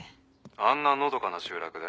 「あんなのどかな集落で？